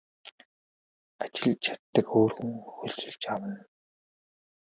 Ажиллаж чаддаг өөр хүн хөлсөлж авна.